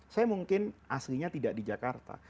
saya mungkin aslinya tidak di jakarta